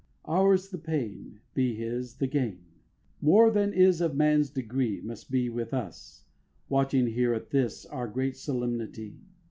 Ours the pain, be his the gain! More than is of man's degree Must be with us, watching here At this, our great solemnity.